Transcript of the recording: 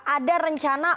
ada rencana untuk